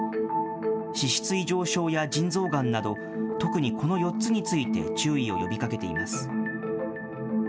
脂質異常症や腎臓がんなど、特にこの４つについて注意を呼びかけています。